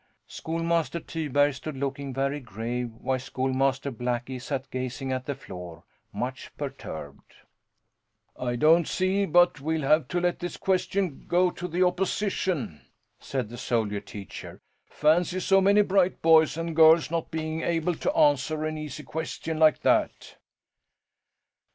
Schoolmaster Tyberg stood looking very grave while Schoolmaster Blackie sat gazing at the floor, much perturbed. "I don't see but that we'll have to let this question go to the opposition," said the soldier teacher. "Fancy, so many bright boys and girls not being able to answer an easy question like that!"